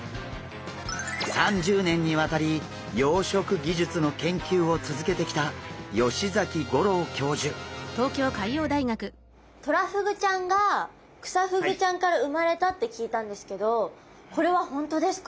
３０年にわたり養殖技術の研究を続けてきたトラフグちゃんがクサフグちゃんから産まれたって聞いたんですけどこれは本当ですか？